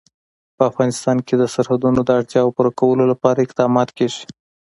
په افغانستان کې د سرحدونه د اړتیاوو پوره کولو لپاره اقدامات کېږي.